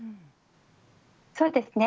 そうですね